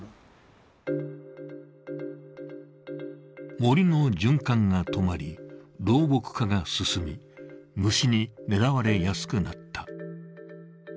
森の循環が止まり老木化が進み、虫に狙われやすくなった。